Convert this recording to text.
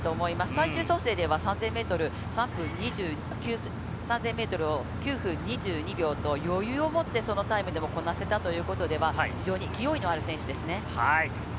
最終調整では３０ｍ９分２２秒と余裕を持ってこなせたということでは、非常に勢いのある選手ですね。